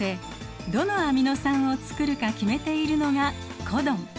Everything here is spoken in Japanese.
どのアミノ酸を作るか決めているのがコドン。